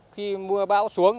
khi mưa bão xuống